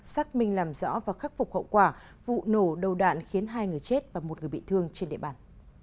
xác minh làm rõ và khắc phục hậu quả vụ nổ đầu đạn khiến hai người chết và một người bị thương trên địa bàn